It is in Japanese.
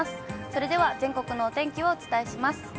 それでは、全国のお天気をお伝えします。